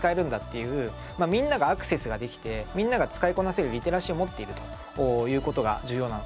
まあみんながアクセスができてみんなが使いこなせるリテラシーを持っているという事が重要なのかなと。